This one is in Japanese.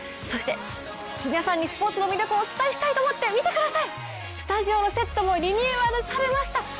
そして、皆さんにスポーツの魅力をお伝えしたいと思ってスタジオのセットもリニューアルされました。